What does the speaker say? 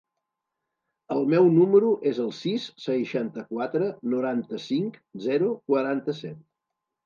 El meu número es el sis, seixanta-quatre, noranta-cinc, zero, quaranta-set.